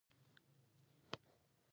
د وژنو پوښتنه به نه کېده او نور څوک نه وو.